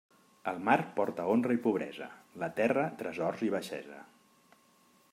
El mar porta honra i pobresa; la terra, tresors i baixesa.